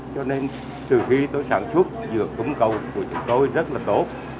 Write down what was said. thì tôi sản xuất dựa cúng cầu của chúng tôi rất là tốt